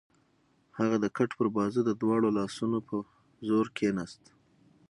هغه د کټ پر بازو د دواړو لاسونو په زور کېناست.